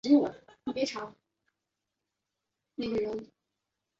这些作者包括反对马吉安主义最厉害的铁徒良等。